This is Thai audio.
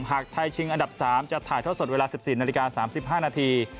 หากไทยชิงอันดับ๓จะถ่ายท่อสดเวลา๑๔นาฬิกา๓๕นาที